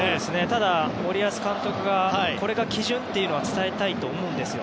ただ、森保監督がこれが基準というのは伝えたいと思うんですよ。